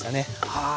はあ！